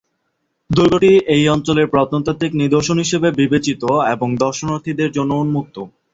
দুর্গটি এই অঞ্চলের প্রত্নতাত্ত্বিক নিদর্শন হিসাবে বিবেচিত এবং দর্শনার্থীদের জন্য উন্মুক্ত।